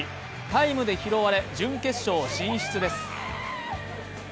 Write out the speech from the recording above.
タイムで拾われ準決勝進出です。